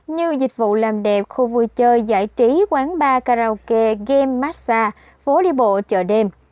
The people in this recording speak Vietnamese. như dịch vụ làm đẹp khu vui chơi giải trí quán bar karaoke game massage phố đi bộ chợ đêm